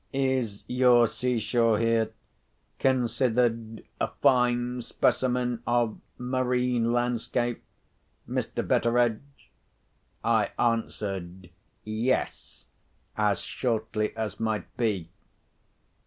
Is your sea shore here considered a fine specimen of marine landscape, Mr. Betteredge?" I answered, "Yes," as shortly as might be.